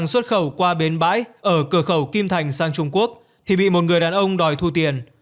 xuất khẩu qua bến bãi ở cửa khẩu kim thành sang trung quốc thì bị một người đàn ông đòi thu tiền